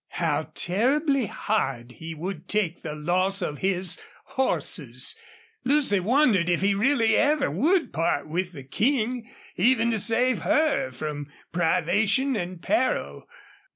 How terribly hard he would take the loss of his horses! Lucy wondered if he really ever would part with the King, even to save her from privation and peril.